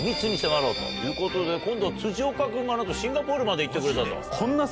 今度は岡君がシンガポールまで行ってくれたと。